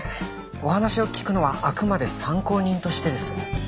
お話を聞くのはあくまで参考人としてです。